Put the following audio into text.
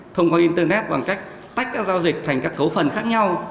thông qua internet bằng cách tách các giao dịch thành các cấu phần khác nhau